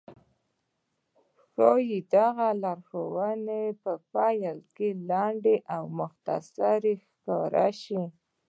ښايي دغه لارښوونې په پيل کې لنډې او مختصرې ښکاره شي.